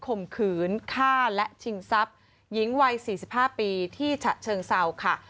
ข่มขืนฆ่าและชิงทรัพย์หญิงวัย๔๕ปีที่ฉะเชิงเศร้าค่ะ